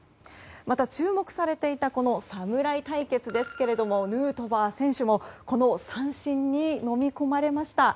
また注目されていた侍対決ですけれどもヌートバー選手もこの三振に、のみ込まれました。